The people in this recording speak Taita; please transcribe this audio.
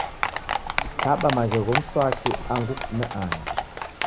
Kaba maghegho mswaki angu kufume aha